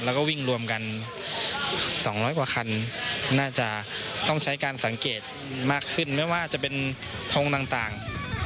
แล้วก็วิ่งรวมกัน๒๐๐กว่าคันน่าจะต้องใช้การสังเกตมากขึ้นไม่ว่าจะเป็นทงต่าง